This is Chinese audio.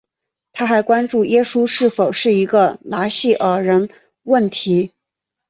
它还关注耶稣是否是一个拿细耳人问题。